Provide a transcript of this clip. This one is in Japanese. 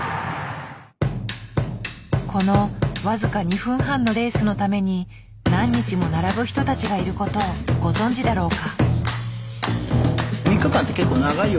この僅か２分半のレースのために何日も並ぶ人たちがいる事をご存じだろうか？